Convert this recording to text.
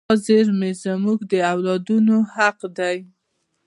دا زیرمې زموږ د اولادونو حق دی.